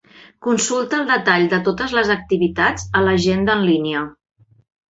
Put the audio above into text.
Consulta el detall de totes les activitats a l'agenda en línia.